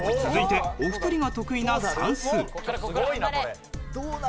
続いてお二人が得意な算数。